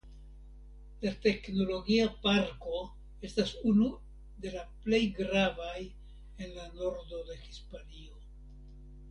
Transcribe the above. La Teknologia Parko estas unu de la plej gravaj en la nordo de Hispanio.